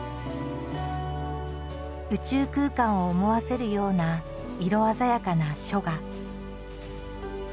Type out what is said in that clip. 宇宙空間を思わせるような色鮮やかな書画。